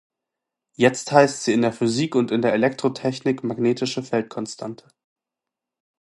Jetzt heißt sie in der Physik und in der Elektrotechnik "magnetische Feldkonstante".